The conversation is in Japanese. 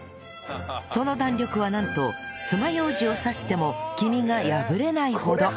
その弾力はなんとつまようじを刺しても黄身が破れないほど